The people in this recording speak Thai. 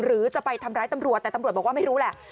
หรือจะไปทำร้ายตำรวจแต่ตำรวจบอกว่าไม่รู้แหละ